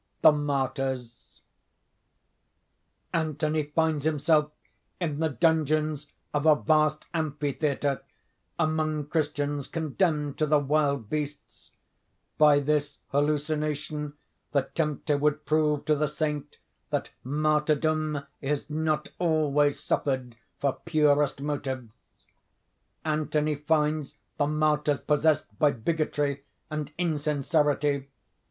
THE MARTYRS Anthony finds himself in the dungeons of a vast amphitheatre, among Christians condemned to the wild beasts. By this hallucination the tempter would prove to the Saint that martyrdom is not always suffered for purest motives. Anthony finds the martyrs possessed by bigotry and insincerity.